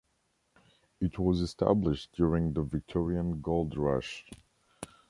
It was established during the Victorian Gold Rush.